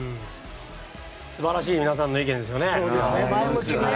素晴らしい皆さんの意見ですよね。